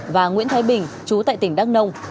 và nguyễn thái bình chú tại tỉnh đắk nông